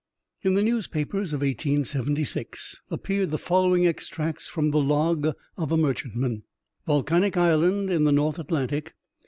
In the newspapers of 1876, appeared the following extracts from the log of a merchantman :—Volcanic Island in the North Atlantic.